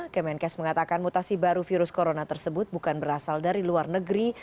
kemenkes mengatakan mutasi baru virus corona tersebut bukan berasal dari luar negeri